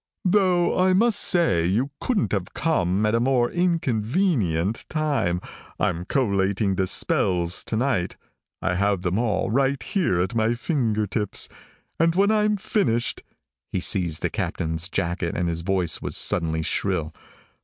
Though, I must say, you couldn't have come at a more inconvenient time. I'm collating the spells tonight. I have them all, right here at my fingertips. And when I'm finished " He seized the captain's jacket and his voice was suddenly shrill.